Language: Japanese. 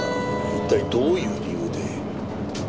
一体どういう理由で。